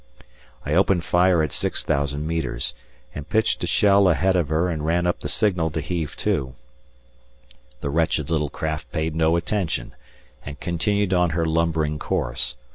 I opened fire at six thousand metres, and pitched a shell ahead of her and ran up the signal to heave to. The wretched little craft paid no attention, and continued on her lumbering course.